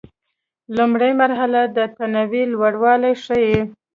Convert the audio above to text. لومړۍ مرحلې د تنوع لوړوالی ښيي.